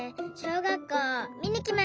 がっこうをみにきました！